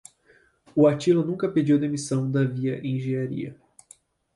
O Átila nunca pediu demissão da Via Engenharia.